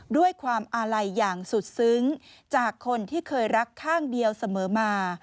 ด้วยความอาลัยอย่างสุดซึ้งจากคนที่เคยรักข้างเดียวเสมอมา